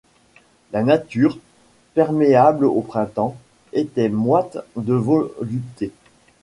La nature, perméable au printemps, était moite de volupté.